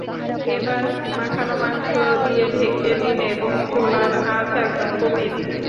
এবার মাখানো মাংস দিয়ে ঢেকে দিন এবং চুলার আঁচ একদম কমিয়ে দিন।